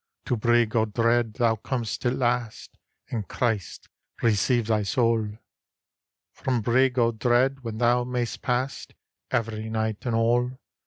To Brig o' Dread tbou com'st at hist; And Ckriste receive thy saule. From Brig o' Dread when thou may'st pass, — Every nighte and alle.